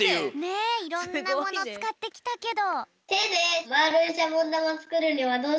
ねえいろんなものつかってきたけど。